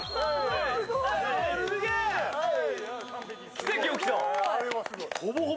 奇跡が起きた。